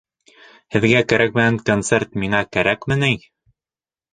Һеҙгә кәрәкмәгән концерт миңә кәрәкме ни?